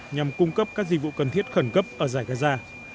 nhằm cung cấp các dịch vụ cần thiết khẩn cấp ở giải gaza